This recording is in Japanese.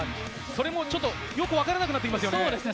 それも、よく分からなくなってきますね。